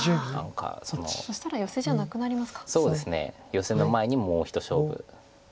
ヨセの前にもう一勝負。